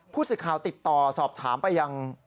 ผู้สื่อข่าวติดต่อสอบถามไปยัง